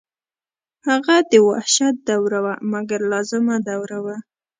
هغه د وحشت دوره وه مګر لازمه دوره وه.